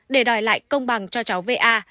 để đòi lại công bằng cho cháu v a